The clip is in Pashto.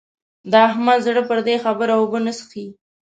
د احمد زړه پر دې خبره اوبه نه څښي.